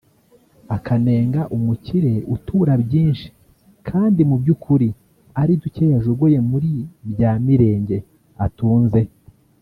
akanenga umukire utura byinshi kandi mu by’ukuri ari duke yajogoye muri bya Mirenge atunze